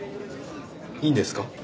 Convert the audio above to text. いいんですか？